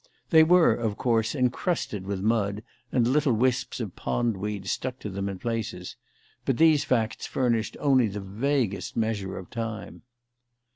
They were, of course, encrusted with mud, and little wisps of pond weed stuck to them in places; but these facts furnished only the vaguest measure of time.